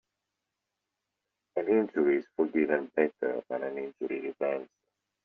An injury is forgiven better than an injury revenged.